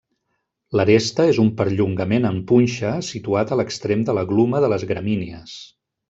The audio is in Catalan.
L'aresta és un perllongament en punxa situat a l'extrem de la gluma de les gramínies.